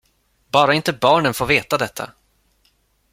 Bara inte barnen får veta detta!